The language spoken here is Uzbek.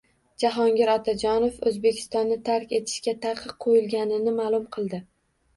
Jahongir Otajonov O‘zbekistonni tark etishiga taqiq qo‘yilganini ma’lum qildi